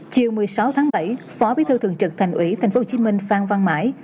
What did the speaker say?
chiều một mươi sáu tháng bảy phó bí thư thường trực thành ủy tp hcm phan văn mãi